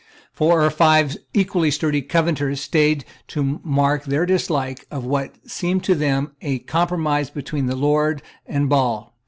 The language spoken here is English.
Four or five equally sturdy Covenanters staid to mark their dislike of what seemed to them a compromise between the Lord and Baal.